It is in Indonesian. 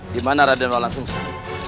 di mana radenol langsung selesai